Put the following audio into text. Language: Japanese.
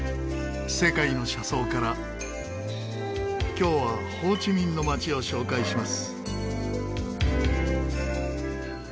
今日はホーチミンの街を紹介します。